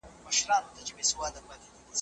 څوک په دې هېواد کې د زده کړو لپاره کار کوي؟